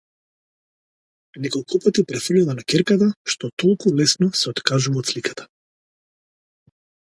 Неколупати ѝ префрлила на ќерката што толку лесно се откажува од сликата.